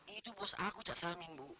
itu bos aku kak samin bu